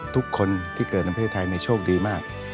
ทุกคนที่เกิดในประเทศไทยโชคดีมาก